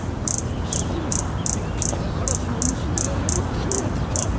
そこに一匹のカラスの娘が眠っておった。